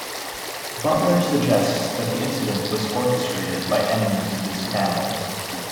Butler suggests that the incident was orchestrated by enemies of his family.